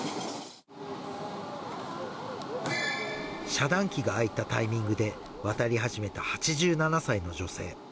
遮断機が開いたタイミングで渡り始めた８７歳の女性。